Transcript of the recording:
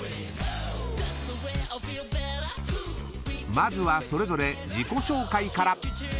［まずはそれぞれ自己紹介から］